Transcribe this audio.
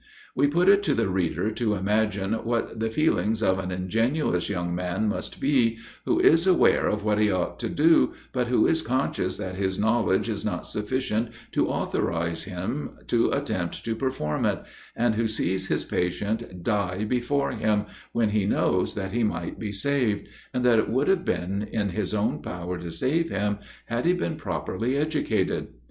We put it to the reader to imagine what the feelings of an ingenuous young man must be, who is aware of what he ought to do, but who is conscious that his knowledge is not sufficient to authorise him to attempt to perform it, and who sees his patient die before him, when he knows that he might be saved, and that it would have been in his own power to save him, had he been properly educated.